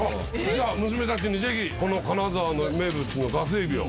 じゃあ娘たちにぜひこの金沢の名物のガスエビを。